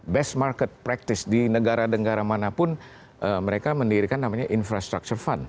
jadi market practice di negara negara manapun mereka menirikan infrastructure fund